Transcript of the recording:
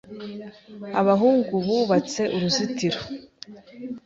Abahungu bubatse uruzitiro.